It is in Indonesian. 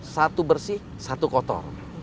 satu bersih satu kotor